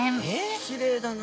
きれいだな。